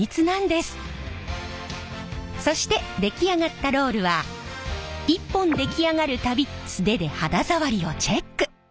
そして出来上がったロールは１本出来上がる度素手で肌触りをチェック！